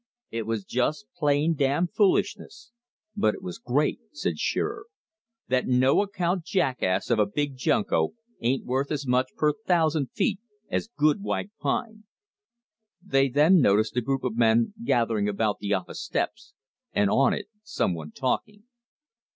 "It was just plain damn foolishness; but it was great!" said Shearer. "That no account jackass of a Big Junko ain't worth as much per thousand feet as good white pine." Then they noticed a group of men gathering about the office steps, and on it someone talking.